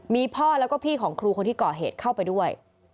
มีพ่อแล้วก็พี่ของครูคนที่ก่อเหตุเข้าไปด้วย